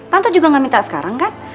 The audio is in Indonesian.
tante juga gak minta sekarang kan